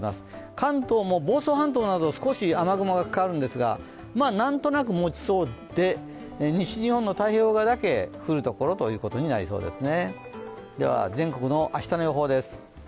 関東も房総半島など少し雨雲がかかるんですがなんとなくもちそうで西日本の太平洋側だけ降るところということになりそうですね。